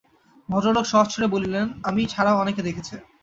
ভদ্রলোক সহজ স্বরে বললেন, আমি ছাড়াও অনেকে দেখেছে।